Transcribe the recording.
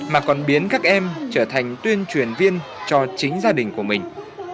mà còn biến các em trở thành tuyên truyền viên cho chính gia đình của mình